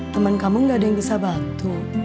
teman kamu gak ada yang bisa bantu